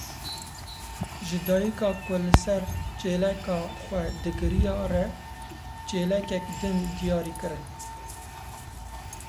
Ji dayîka ku li ser çêleka xwe digiriya re çêlekek din diyarî kirin.